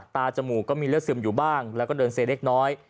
จมูกก็มีเลือดซึมอยู่บ้างแล้วก็เดินเซเล็กน้อย